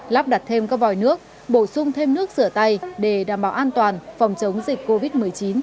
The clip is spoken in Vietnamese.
lắp đặt thêm các vòi nước bổ sung thêm nước sửa tay để đảm bảo an toàn phòng chống dịch covid một mươi chín